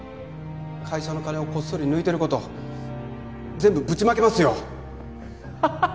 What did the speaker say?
会社の金をこっそり抜いてる事全部ぶちまけますよ。